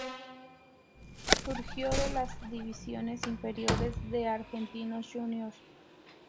Surgió de las divisiones inferiores de Argentinos Juniors.